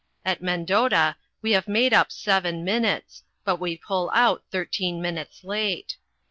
At Mendota we have made up seven minutes, but we pull out thirteen minutes late.